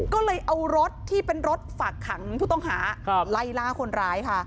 ก็เลยเอารถที่เป็นรถฝากขังผู้ต้องหาไล่ล่าคนร้ายค่ะ